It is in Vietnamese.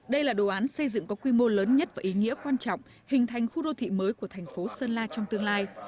đây là đồ án xây dựng có quy mô lớn nhất và ý nghĩa quan trọng hình thành khu đô thị mới của thành phố sơn la trong tương lai